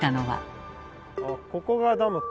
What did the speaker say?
あここがダムか。